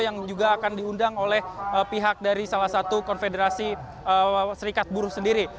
yang juga akan diundang oleh pihak dari salah satu konfederasi serikat buruh sendiri